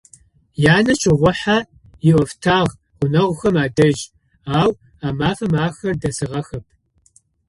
Янэ щыгъухьэ ыӏофтагъ гъунэгъухэм адэжь, ау а мафэм ахэр дэсыгъэхэп.